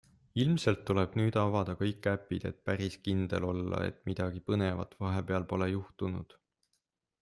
Ilmselt tuleb nüüd avada kõik äpid, et päris kindel olla, et midagi põnevat vahepeal pole juhtunud.